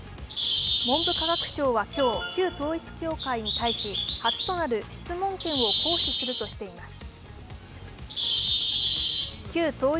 文部科学省は今日旧統一教会に対し初となる質問権を行使するとしています。